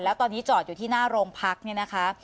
แล้วตอนนี้จอดอยู่ที่หน้าโรงพักเนี่ยนะคะ